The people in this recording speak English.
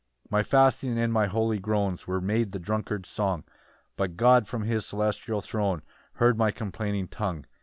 10 "My fasting and my holy groans "Were made the drunkard's song; "But God, from his celestial throne, "Heard my complaining tongue.